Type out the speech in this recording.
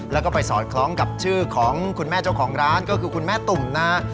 แล้วก็ไปสอดคล้องกับชื่อของคุณแม่เจ้าของร้านก็คือคุณแม่ตุ่มนะฮะ